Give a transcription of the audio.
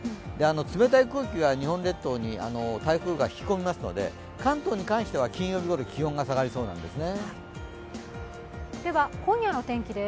冷たい空気が日本列島に台風が引き込みますので関東に関しては金曜日ごろ気温が下がりそうなんですね。